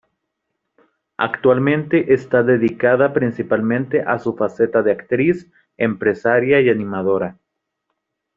Actualmente está dedicada principalmente a su faceta de actriz, empresaria y animadora.